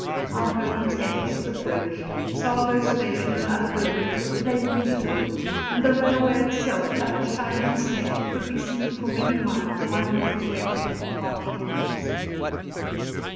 Our home tents, the bridge, Tsavo Station and other buildings were plainly visible, and the railway itself, like a shining snake, could be seen for many miles winding its way through the parched wilderness.